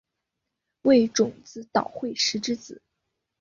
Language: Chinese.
为种子岛惠时之子。